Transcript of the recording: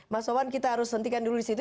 mas sowan kita harus hentikan dulu disitu